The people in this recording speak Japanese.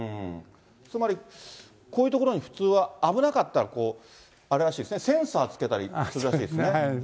つまり、こういう所に普通は危なかったら、あれらしいですね、センサーつけたりするらしいですね。